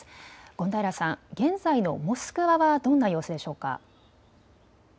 権平さん、現在のモスクワはどんな様子でしょうか。